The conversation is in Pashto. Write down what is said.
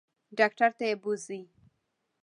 ډاکټر ته یې بوزئ.